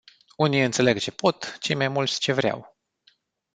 Unii ințeleg ce pot, cei mai mulți ce vreau.